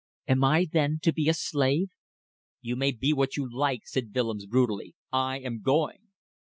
Am I then to be a slave?" "You may be what you like," said Willems, brutally. "I am going."